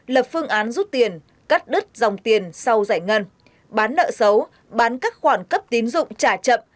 lập phương án rút tiền cắt đứt dòng tiền sau giải ngân bán nợ xấu bán các khoản cấp tín dụng trả chậm